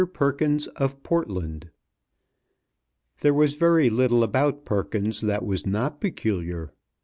PERKINS OF PORTLAND THERE was very little about Perkins that was not peculiar.